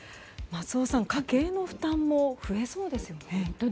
松尾さん、家計の負担も増えそうですよね。